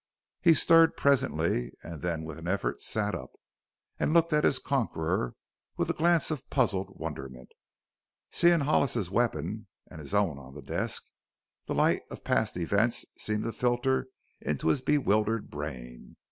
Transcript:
He stirred presently and then with an effort sat up and looked at his conqueror with a glance of puzzled wonderment. Seeing Hollis's weapon and his own on the desk, the light of past events seemed to filter into his bewildered brain.